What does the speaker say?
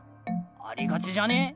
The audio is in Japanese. ありがちじゃね？